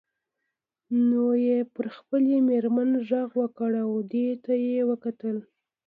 نو یې پر خپلې میرمنې غږ وکړ او دې ته یې وکتل.